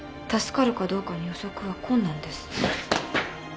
助かるかどうかの予測は困難です。